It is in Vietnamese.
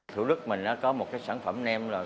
thủ đức có một sản phẩm nem đặc sản